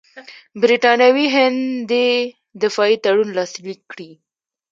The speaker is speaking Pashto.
برټانوي هند دې دفاعي تړون لاسلیک کړي.